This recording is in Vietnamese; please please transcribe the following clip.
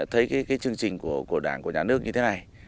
thấy cái chương trình của đảng của nhà nước như thế này